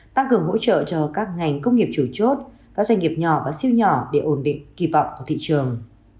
tăng cường hỗ trợ cho các ngành công nghiệp chủ chốt các doanh nghiệp nhỏ và siêu nhỏ để ổn định kỳ vọng của thị trường